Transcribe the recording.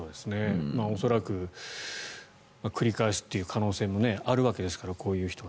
恐らく、繰り返しという可能性もあるわけですからこういう人は。